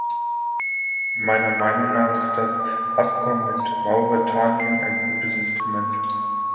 Meiner Meinung nach ist das Abkommen mit Mauretanien ein gutes Instrument.